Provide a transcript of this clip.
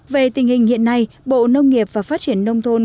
về tình hình hiện nay bộ nông nghiệp và phát triển nông thôn